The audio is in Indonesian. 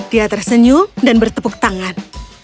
dia tersenyum dan bertepuk tangan